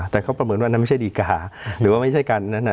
แต่เขาประเมินว่านั้นไม่ใช่ดีกาหรือว่าไม่ใช่การนั้น